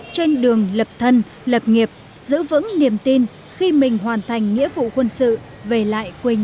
trên đường lập thân lập nghiệp giữ vững niềm tin khi mình hoàn thành nghĩa vụ quân sự về lại quê nhà